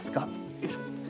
よいしょ。